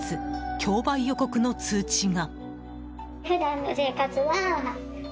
競売予告の通知が。